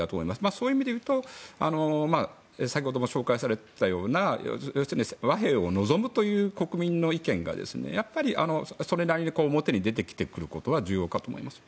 そういう意味で言うと先ほども紹介されたような要するに、和平を望むという国民の意見がやっぱりそれなりに表に出てくることが重要かと思います。